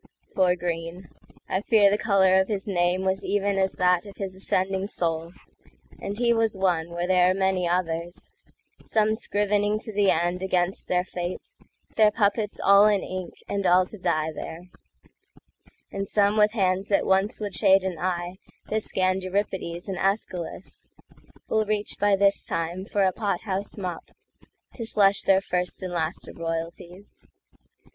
…Poor Greene! I fear the color of his nameWas even as that of his ascending soul; And he was one where there are many others,—Some scrivening to the end against their fate, Their puppets all in ink and all to die there; And some with hands that once would shade an eyeThat scanned Euripides and ÆschylusWill reach by this time for a pot house mopTo slush their first and last of royalties.